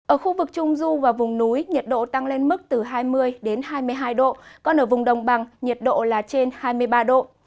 ở khu vực trung du và vùng núi nhiệt độ tăng lên mức từ hai mươi hai mươi hai độ còn ở vùng đồng bằng nhiệt độ là trên hai mươi ba độ